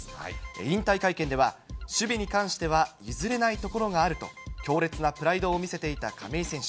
引退会見では、守備に関しては譲れないところがあると、強烈なプライドを見せていた亀井選手。